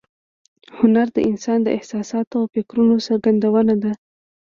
هنر د انسان د احساساتو او فکرونو څرګندونه ده